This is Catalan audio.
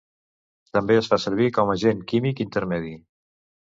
També es fa servir com agent químic intermedi.